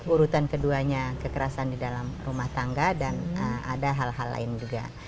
urutan keduanya kekerasan di dalam rumah tangga dan ada hal hal lain juga